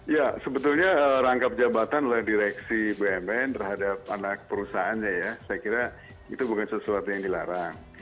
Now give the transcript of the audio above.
ya sebetulnya rangkap jabatan oleh direksi bumn terhadap anak perusahaannya ya saya kira itu bukan sesuatu yang dilarang